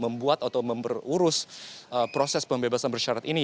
membuat atau memperurus proses pembebasan bersyarat ini